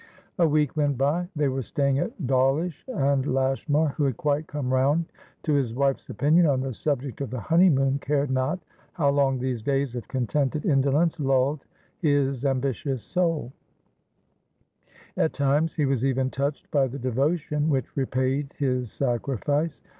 A week went by. They were staying at Dawlish, and Lashmar, who had quite come round to his wife's opinion on the subject of the honeymoon, cared not how long these days of contented indolence lulled his ambitious soul; at times he was even touched by the devotion which repaid his sacrifice.